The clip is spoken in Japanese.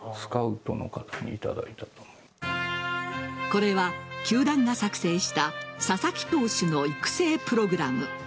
これは、球団が作成した佐々木投手の育成プログラム。